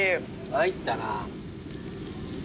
参ったな。